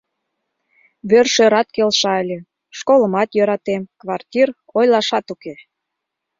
Вер-шӧрат келша ыле, школымат йӧратем, квартир — ойлашат уке!